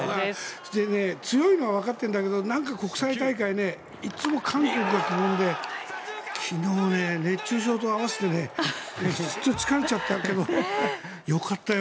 強いのはわかってるんだけど国際大会はいつも韓国が基本で昨日は熱中症と合わせて疲れちゃったけどよかったよ。